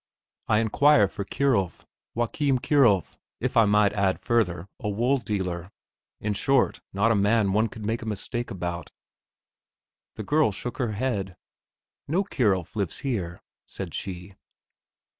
I inquire for Kierulf Joachim Kierulf, if I might add further a wool dealer; in short, not a man one could make a mistake about.... The girl shook her head. "No Kierulf lives here," said she.